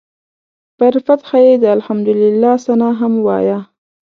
پر فتحه یې د الحمدلله ثناء هم وایه.